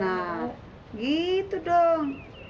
nah gitu dong